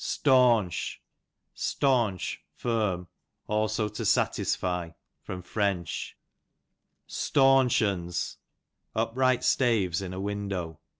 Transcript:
Stawnch, stanch, firm; also to satisfy. Fr. Stawnshons, upright staves in a window.